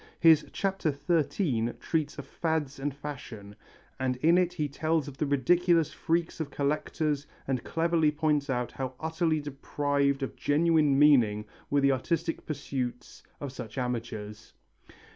His Chapter XIII treats of fads and fashions, and in it he tells of the ridiculous freaks of collectors and cleverly points out how utterly deprived of genuine meaning were the artistic pursuits of such amateurs.